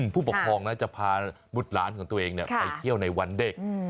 ผู้ปกครองนะจะพาบุตรหลานของตัวเองไปเที่ยวในวันเด็ก